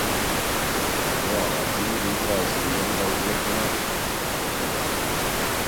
Reālā dzīve izraisa vienu vai otru notikumu.